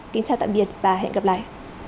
kính chào tạm biệt và hẹn gặp lại